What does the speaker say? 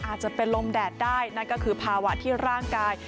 อาจจะเป็นลมแดดได้นั่นก็คือภาวะที่ร่างกาย